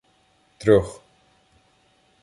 Трьох